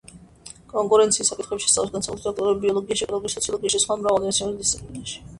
კონკურენციის საკითხების შესწავლა განსაკუთრებით აქტუალურია ბიოლოგიაში, ეკოლოგიაში, სოციოლოგიაში, სხვა მრავალ მეცნიერულ დისციპლინაში.